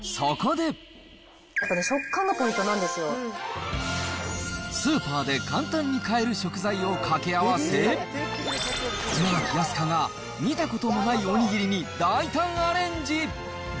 やっぱりね、食感がポイントスーパーで簡単に変える食材を掛け合わせ、稲垣飛鳥が見たこともないおにぎりに大胆アレンジ。